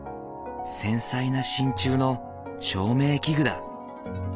繊細な真鍮の照明器具だ。